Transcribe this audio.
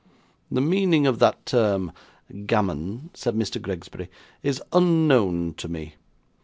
'The meaning of that term gammon,' said Mr. Gregsbury, 'is unknown to me.